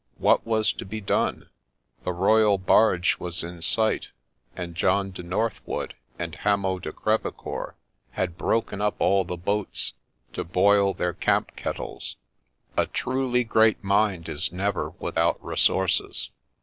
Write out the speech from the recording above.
What was to be done ?— the royal barge was in sight, and John de Northwood and Hamo de Crevecceur had broken up all the boats to boil their camp kettles. A truly great mind is never without resources.